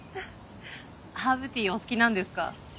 ハーブティーお好きなんですか？